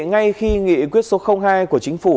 ngay khi nghị quyết số hai của chính phủ